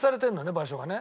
場所がね。